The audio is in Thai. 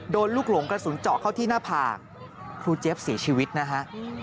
ลูกหลงกระสุนเจาะเข้าที่หน้าผากครูเจี๊ยบเสียชีวิตนะฮะ